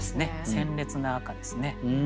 鮮烈な赤ですね。